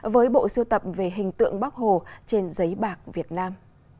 với bộ siêu tập về hình tượng bắc hồ trên giấy bạc việt nam